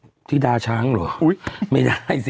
ฮือฮือที่ดาช่างเหรอไม่ได้ซิ